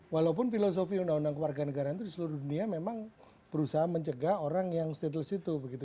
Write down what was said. walaupun filosofi undang undang keluarga negaraan itu di seluruh dunia memang berusaha mencegah orang yang stateless itu begitu